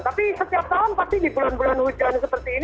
tapi setiap tahun pasti di bulan bulan hujan seperti ini